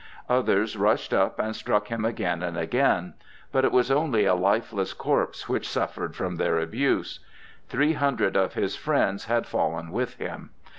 Others rushed up and struck him again and again, but it was only a lifeless corpse which suffered from their abuse. Three hundred of his friends had fallen with him.